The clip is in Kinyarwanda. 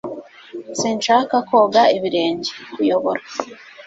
Sinshaka koga ibirenge. (_kuyobora)